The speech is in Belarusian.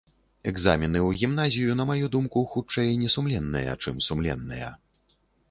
Экзамены ў гімназію, на маю думку, хутчэй несумленныя, чым сумленныя.